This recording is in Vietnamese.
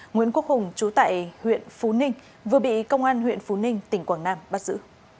nguyễn quốc hùng chú tại huyện phú ninh vừa bị công an huyện phú ninh tỉnh quảng nam bắt giữ